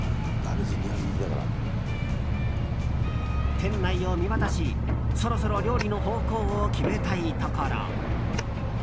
店内を見渡し、そろそろ料理の方向を決めたいところ。